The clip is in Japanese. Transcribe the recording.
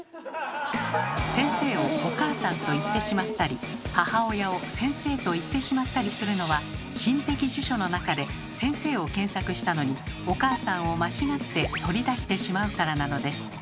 先生をお母さんと言ってしまったり母親を先生と言ってしまったりするのは心的辞書の中で「先生」を検索したのに「お母さん」を間違って取り出してしまうからなのです。